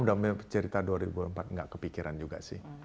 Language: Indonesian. seminggu aja belum cerita dua ribu dua puluh empat enggak kepikiran juga sih